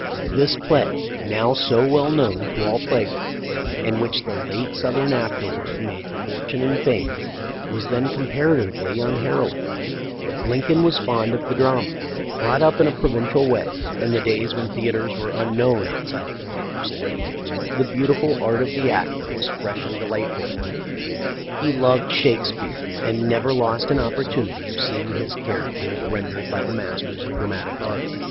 This play, now so well known to all play goers, in which the late Sothern afterward made fortune and fame, was then comparatively unheralded. Lincoln was fond of the drama. Brought up in a provincial way, in the days when theatres were unknown outside of the larger cities, the beautiful art of the actor was fresh and delightful to him. THE LIFE OF LINCOLN. 565 He loved Shakespeare, and never lost an oppor tunity of seeing his characters rendered by the masters of dramatic art.